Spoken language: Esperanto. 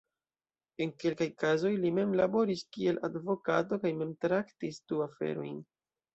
En kelkaj kazoj li mem laboris kiel advokato kaj mem traktis du aferojn.